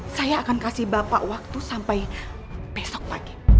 saya akan kasih bapak waktu sampai besok pagi